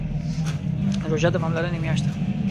روژه د پاملرنې میاشت ده.